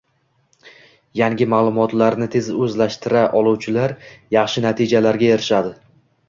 Yangi ma’lumotlarni tez o‘zlashtira oluvchilar yaxshi natijalarga erishadi.